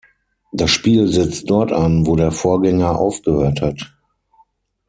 Das Spiel setzt dort an, wo der Vorgänger aufgehört hat.